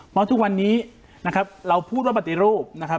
เพราะทุกวันนี้นะครับเราพูดว่าปฏิรูปนะครับ